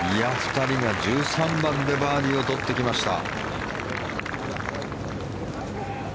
２人が１３番でバーディーを取ってきました。